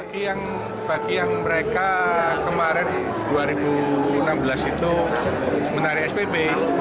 pagi yang mereka kemarin dua ribu enam belas itu menarik spp